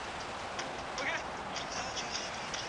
它曾被广泛应用于磁带制作所需的乳浊液中。